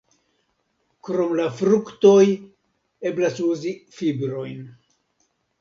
Krom la fruktoj eblas uzi fibrojn.